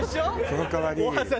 その代わり。